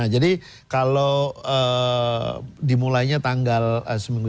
jadi kalau dimulainya tanggal seminggu